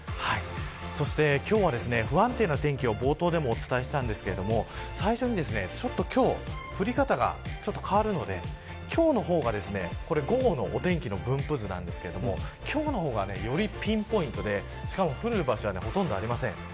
そして、今日は不安定な天気は冒頭でもお伝えしたんですが最初ちょっと今日降り方が変わるので、今日の方が午後のお天気の分布図ですが今日の方がよりピンポイントで降る場所はほとんどありません。